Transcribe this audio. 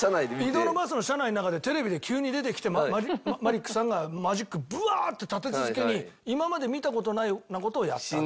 移動のバスの車内の中でテレビで急に出てきてマリックさんがマジックブワーって立て続けに今まで見た事ないような事をやったわけ。